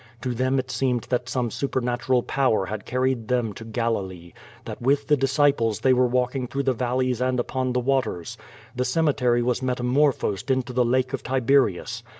To them it seemed that Mime supernatural power had carried them to (jlalilce, that with the disciples they were walking through the valleys and upon tlic waters. 'J'he cenicicry was metamor))hosed into the lake of Tiberius.